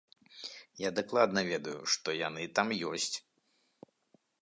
Я дакладна ведаю, што яны там ёсць.